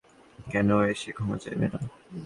কেন, ও এসে ক্ষমা চাইবে না?